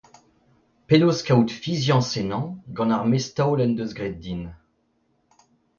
Penaos kaout fiziañs ennañ gant ar mestaol en deus graet din ?